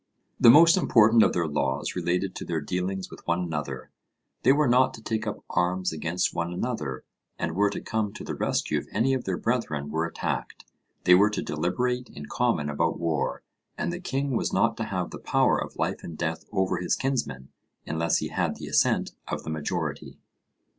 The most important of their laws related to their dealings with one another. They were not to take up arms against one another, and were to come to the rescue if any of their brethren were attacked. They were to deliberate in common about war, and the king was not to have the power of life and death over his kinsmen, unless he had the assent of the majority.